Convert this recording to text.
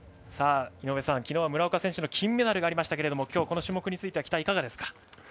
井上さん、昨日は村岡選手の金メダルがありましたがこの種目についての期待はいかがですか？